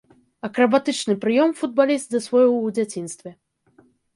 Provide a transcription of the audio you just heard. Акрабатычны прыём футбаліст засвоіў у дзяцінстве.